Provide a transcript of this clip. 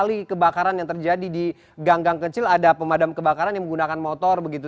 kali kebakaran yang terjadi di gang gang kecil ada pemadam kebakaran yang menggunakan motor begitu